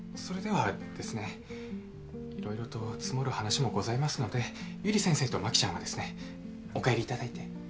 それではですね色々と積もる話もございますのでゆり先生と真紀ちゃんはですねお帰りいただいて。